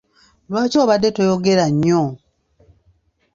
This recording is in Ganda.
Lwaki obadde toyogera nnyo?